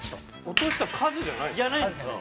落とした数じゃないんですか？